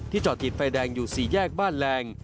ที่จอดติดไฟแดงอยู่สี่แยกบ้านแหลง